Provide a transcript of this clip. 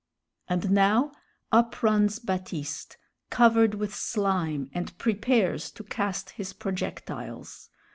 And now up runs Baptiste, covered with slime, and prepares to cast his projectiles.